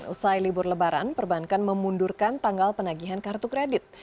usai libur lebaran perbankan memundurkan tanggal penagihan kartu kredit